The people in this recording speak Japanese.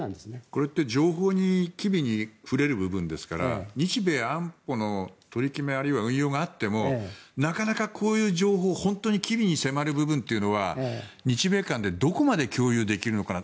これって情報機微に触れる部分ですから日米安保の取り決めあるいは運用があってもなかなか、こういう情報なかなか機微に触れる部分は日米間でどこまで共有できるのかな。